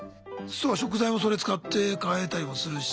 食材もそれ使って買えたりもするし。